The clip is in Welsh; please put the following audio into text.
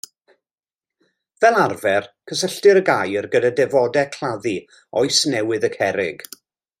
Fel arfer cysylltir y gair gyda defodau claddu Oes Newydd y Cerrig.